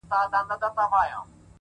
پرمختګ د ننني نظم حاصل دی!